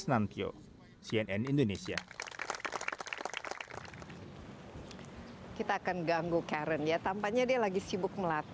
dan juga olimpiade